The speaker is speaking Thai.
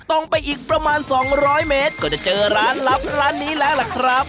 ตรงไปอีกประมาณ๒๐๐เมตรก็จะเจอร้านลับร้านนี้แล้วล่ะครับ